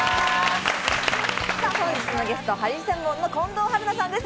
本日のゲスト、ハリセンボンの近藤春菜さんです。